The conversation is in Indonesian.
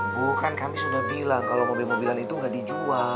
bukan kami sudah bilang kalau mobil mobilan itu nggak dijual